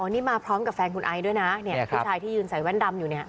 นี่มาพร้อมกับแฟนคุณไอด้วยนะเนี่ยผู้ชายที่ยืนใส่แว่นดำอยู่เนี่ย